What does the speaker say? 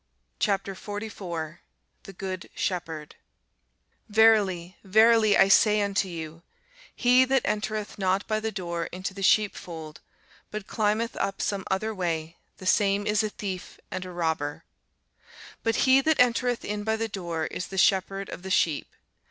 CHAPTER 44 THE GOOD SHEPHERD [Sidenote: St. John 10] VERILY, verily, I say unto you, He that entereth not by the door into the sheepfold, but climbeth up some other way, the same is a thief and a robber. But he that entereth in by the door is the shepherd of the sheep.